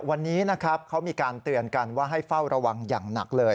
วันนี้นะครับเขามีการเตือนกันว่าให้เฝ้าระวังอย่างหนักเลย